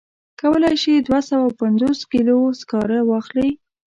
کولای شي دوه سوه پنځوس کیلو سکاره واخلي.